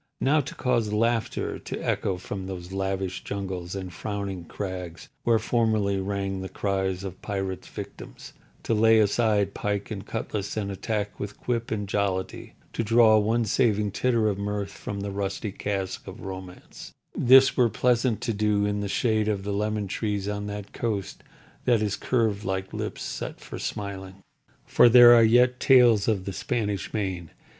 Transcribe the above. Now to cause laughter to echo from those lavish jungles and frowning crags where formerly rang the cries of pirates' victims; to lay aside pike and cutlass and attack with quip and jollity; to draw one saving titter of mirth from the rusty casque of Romance—this were pleasant to do in the shade of the lemon trees on that coast that is curved like lips set for smiling. For there are yet tales of the Spanish Main.